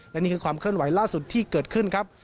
และนี่คือความเคลื่อนไหวล่าสุดที่เกิดขึ้นครับ